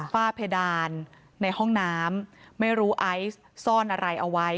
ฝ้าเพดานในห้องน้ำไม่รู้ไอซ์ซ่อนอะไรเอาไว้